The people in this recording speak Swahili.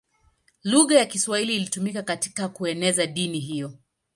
Lugha ya Kiswahili ilitumika katika kueneza dini hiyo.